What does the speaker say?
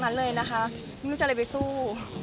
ไม่รู้จะอะไรไปสู้